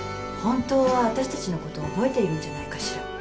本当は私たちのこと覚えているんじゃないかしら。